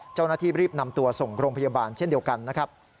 เจ้าหน้าที่รีบนำตัวส่งโรงพยาบาลเช่นเดียวกันนะครับ